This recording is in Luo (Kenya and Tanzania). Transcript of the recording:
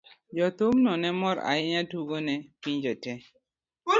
jothumgo ne mor ahinya tugo ne pinjegi.